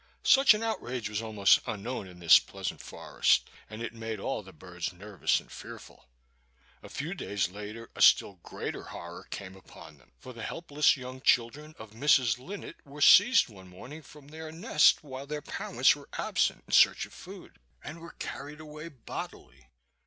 Such an outrage was almost unknown in this pleasant forest, and it made all the birds nervous and fearful. A few days later a still greater horror came upon them, for the helpless young children of Mrs. Linnet were seized one morning from their nest, while their parents were absent in search of food, and were carried away bodily.